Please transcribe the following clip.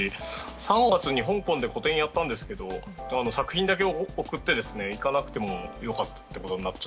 ３月に香港で個展やったんですけど作品だけ送って行かなくてよかったということになって。